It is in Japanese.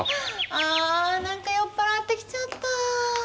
あ何か酔っ払ってきちゃった。